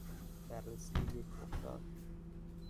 بررسی یک رخداد